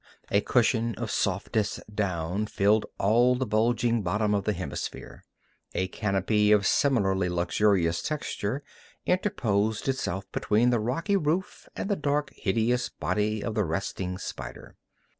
A cushion of softest down filled all the bulging bottom of the hemisphere. A canopy of similarly luxurious texture interposed itself between the rocky roof and the dark, hideous body of the resting spider.